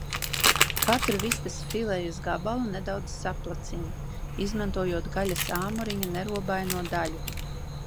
Katru vistas filejas gabalu nedaudz saplacina, izmantojot gaļas āmuriņa nerobaino daļu.